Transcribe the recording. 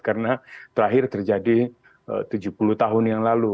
karena terakhir terjadi tujuh puluh tahun yang lalu